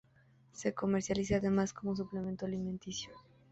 Se comercializa además como suplemento alimenticio.